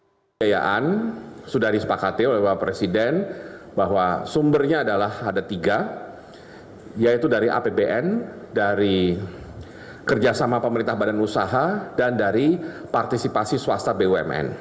pembiayaan sudah disepakati oleh bapak presiden bahwa sumbernya adalah ada tiga yaitu dari apbn dari kerjasama pemerintah badan usaha dan dari partisipasi swasta bumn